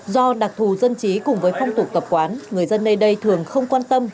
do đặc thù dân trí cùng với phong tục tập quán người dân nơi đây thường không quan tâm